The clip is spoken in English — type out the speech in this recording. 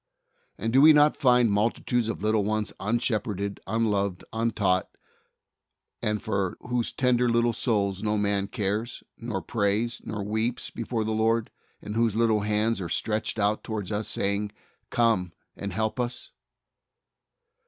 And do we not find multitudes of little ones unshep herded, unloved, untaught, and for whose tender little souls no man cares, nor prays, nor weeps before the Lord, and whose little hands are stretched out towards us, saying, "Come, and help us"?